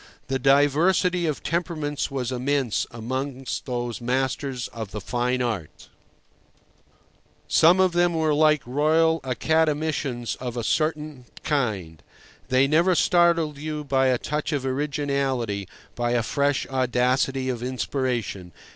The diversity of temperaments was immense amongst those masters of the fine art. Some of them were like Royal Academicians of a certain kind. They never startled you by a touch of originality, by a fresh audacity of inspiration.